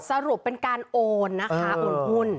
สรุปเป็นการโอนนะคะโอนหุ้น